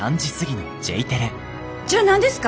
じゃあ何ですか？